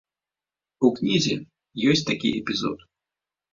У кнізе ёсць такі эпізод.